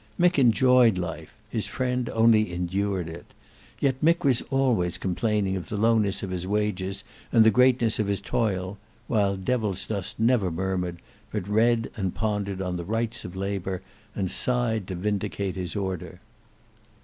Mick enjoyed life; his friend only endured it; yet Mick was always complaining of the lowness of his wages and the greatness of his toil; while Devilsdust never murmured, but read and pondered on the rights of labour, and sighed to vindicate his order.